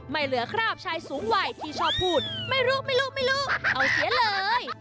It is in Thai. ไม่เหลือคราบชายสูงวัยที่ชอบพูดไม่ลูกไม่ลูกไม่ลูกเอาเสียเลย